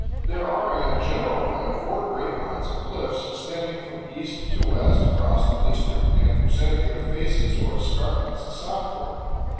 There are in a general way four great lines of cliffs extending from east to west across the district and presenting their faces, or escarpments, southward.